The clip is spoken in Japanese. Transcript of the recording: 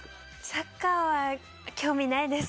サッカーは興味ないです。